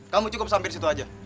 kamu cukup sampai di situ aja